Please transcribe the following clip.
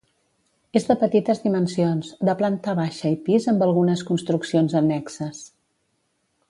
És de petites dimensions, de planta baixa i pis amb algunes construccions annexes.